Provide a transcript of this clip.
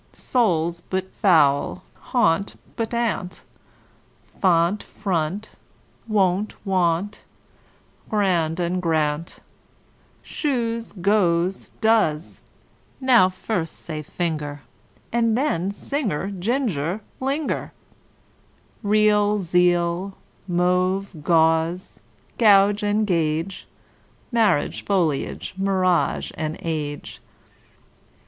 Soul, but foul and gaunt, but aunt; Font, front, wont; want, grand, and, grant, Shoes, goes, does.) Now first say: finger, And then: singer, ginger, linger. Real, zeal; mauve, gauze and gauge; Marriage, foliage, mirage, age.